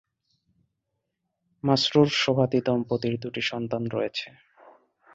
মাসরুর-সোভাতি দম্পতির দু’টি সন্তান রয়েছে।